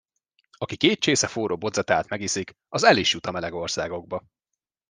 Aki két csésze forró bodzateát megiszik, az el is jut a meleg országokba!